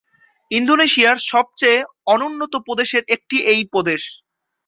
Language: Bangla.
ইন্দোনেশিয়ার সবচেয়ে অনুন্নত প্রদেশের একটি এই প্রদেশ।